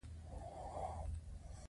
انسان په ذاتي توګه ارزښتمن دی.